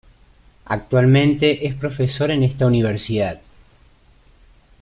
Actualmente es profesor en esta universidad.